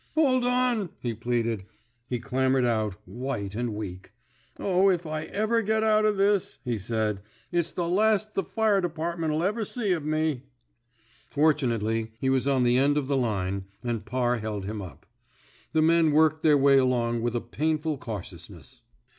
Hold on," he pleaded. He clambered out, whitei and weak. Oh, if I ever get out o' this," he said, it's the last the fire department '11 ever see of me." Fortunately, he was on the end of the line, and Parr held him up. The men worked their way along with a painful cautiousness.